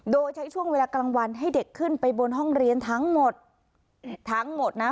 โดยใช้ช่วงเวลากลางวันให้เด็กขึ้นไปบนห้องเรียนทั้งหมดทั้งหมดนะ